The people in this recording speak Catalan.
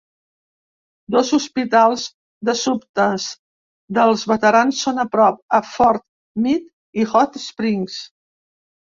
Dos hospitals d'Assumptes dels Veterans són a prop, a Fort Meade i Hot Springs.